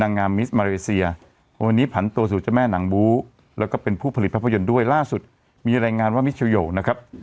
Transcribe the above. นางงามมีสช์มหลีส่ียอร์ตัวสู่แจ้แม่หนังบุ้แล้วก็เป็นผู้ผลิตภาพยนตร์ด้วยล่าสุดมีรายงานว่ามิดเชียโหย์นะครับ